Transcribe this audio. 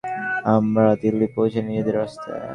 আমরা দিল্লী পৌঁছে নিজেদের রাস্তায়।